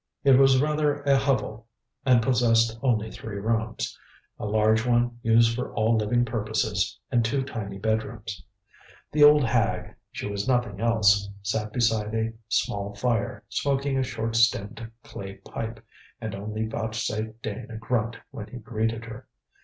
It was rather a hovel, and possessed only three rooms a large one, used for all living purposes, and two tiny bedrooms. The old hag she was nothing else sat beside a small fire, smoking a short stemmed clay pipe, and only vouchsafed Dane a grunt when he greeted her.